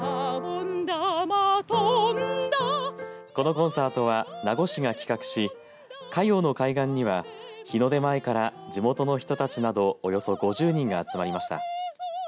このコンサートは名護市が企画し嘉陽の海岸には日の出前から地元の人たちなどおよそ５０人が集まりました。